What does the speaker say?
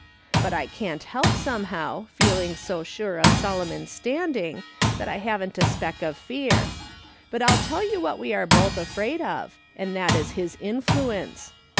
But I can't help, somehow, feeling so sure of Solomon's standing that I haven't a speck of fear; but I'll tell you what we are both afraid of, and that is his intiuence.